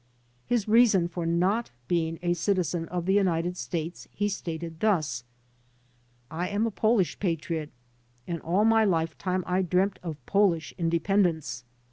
His reason for not being a citizen of the United States he stated thus : "I am a Polish Patriot and all my lifetime I dreamt of Polish independence.